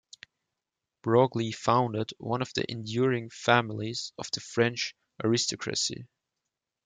Broglie founded one of the enduring families of the French aristocracy.